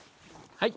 はい。